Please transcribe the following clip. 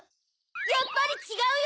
やっぱりちがうよ！